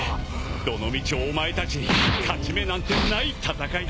どのみちお前たちに勝ち目なんてない戦いだ！